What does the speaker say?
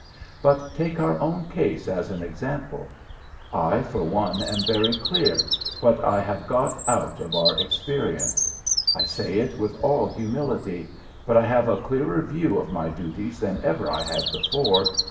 But take our own case as an example. I, for one, am very clear what I have got out of our experience. I say it with all humility, but I have a clearer view of my duties than ever I had before.